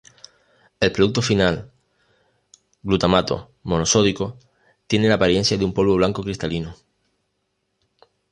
El producto final, glutamato monosódico, tiene la apariencia de un polvo blanco cristalino.